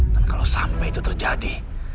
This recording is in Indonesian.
dan kalau sampai itu terjadi